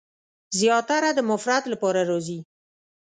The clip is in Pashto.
زیاتره د مفرد لپاره راځي.